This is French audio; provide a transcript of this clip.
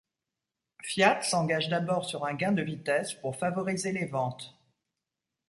Fiat s'engage d'abord sur un gain de vitesse pour favoriser les ventes.